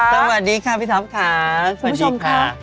สวัสดีค่ะพี่ทัพค่ะคุณผู้ชมค่ะ